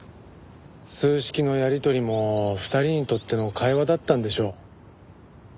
数式のやり取りも２人にとっての会話だったんでしょう。